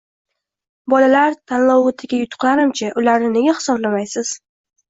Bolalar tanlovidagi yutuqlarimchi, ularni nega hisoblamaysiz?